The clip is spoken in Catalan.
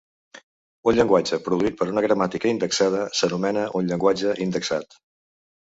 Un llenguatge produït per una gramàtica indexada s'anomena un llenguatge indexat.